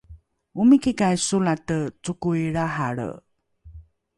omikikai solate cokoi lrahalre?